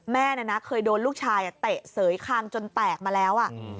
แม่นะเคยโดนลูกชายเตะเสยคางจนแตกมาแล้ว